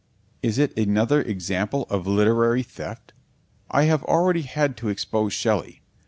Is it another example of literary theft? I have already had to expose Shelley.